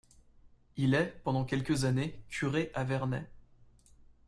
Il est, pendant quelques années, curé à Vernet.